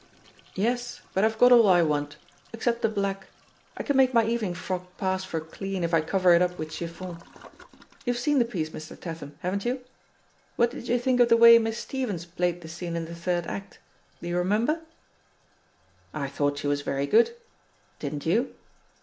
'* "Yes ; but I've got all I want, except the black — ^I can make my evening frock pass for clean if I cover it up with chiffon. You've seen the piece, Mr. Tatham, haven't you? What did you think of the way Miss Stevens played the scene in the third act? Do you remember ?'* "I thought she was very good. Didn't you?'